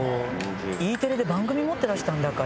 Ｅテレで番組持ってらしたんだから。